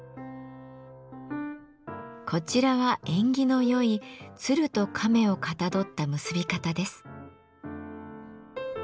こちらは縁起の良い鶴と亀をかたどった結び方です。